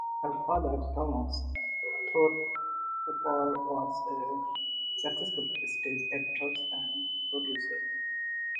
Her father Thomas Apthorpe Cooper was a successful stage actor and producer.